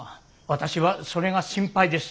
私はそれが心配です。